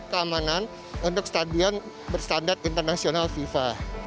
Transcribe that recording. jadi kita bisa mengembangkan keamanan untuk stadion bersandar internasional fifa